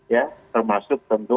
ya termasuk tentu